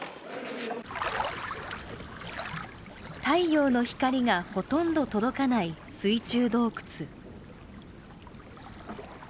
太陽の光がほとんど届かない水中洞窟。